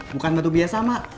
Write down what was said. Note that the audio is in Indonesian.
bukan batu biasa mak